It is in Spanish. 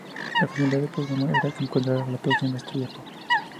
La finalidad del programa era encontrar a la próxima estrella pop.